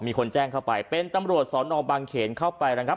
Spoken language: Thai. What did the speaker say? มีคนแจ้งเข้าไปเป็นตำรวจสอนอบางเขนเข้าไปนะครับ